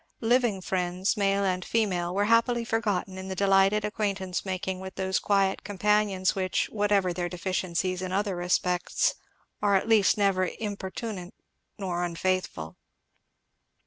Living friends, male and female, were happily forgotten in the delighted acquaintance making with those quiet companions which, whatever their deficiencies in other respects, are at least never importunate nor unfaithful.